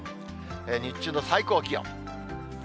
日中の最高気温。